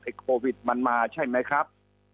โควิดมันมาใช่ไหมครับ